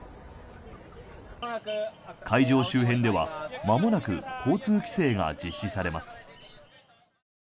会場周辺では、まもなく交通規制が実施されます。